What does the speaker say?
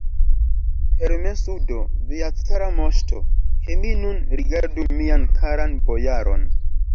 Permesu do, via cara moŝto, ke mi nun rigardu mian karan bojaron!